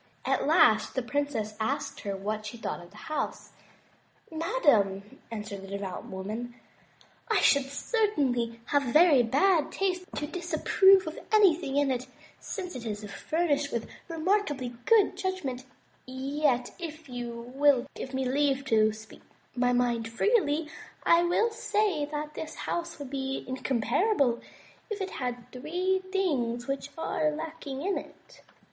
At last the princess asked her what she thought of the house. "Madame," answered the devout woman, "I should certainly 59 MY BOOK HOUSE have very bad taste to disapprove of anything in it, since it is furnished with remarkably good judgment; yet if you will give me leave to speak my mind freely, I will say that this house would be incomparable if it had three things which are lacking in it."